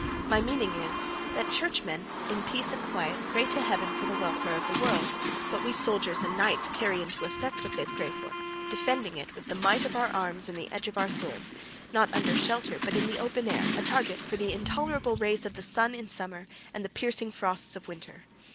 My meaning, is, that churchmen in peace and quiet pray to Heaven for the welfare of the world, but we soldiers and knights carry into effect what they pray for, defending it with the might of our arms and the edge of our swords, not under shelter but in the open air, a target for the intolerable rays of the sun in summer and the piercing frosts of winter.